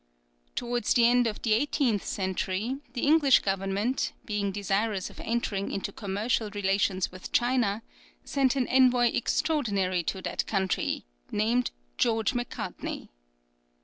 Towards the end of the eighteenth century, the English Government, being desirous of entering into commercial relations with China, sent an Envoy extraordinary to that country named George Macartney.